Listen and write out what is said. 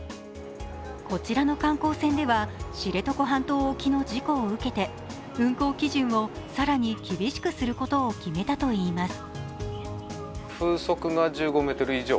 こちらの観光船では知床半島沖の事故を受けて、運航基準を更に厳しくすることを決めたといいます。